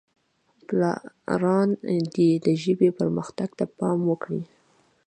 پلاران دې د ژبې پرمختګ ته پام وکړي.